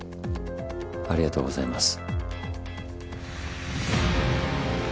ありがとうございます。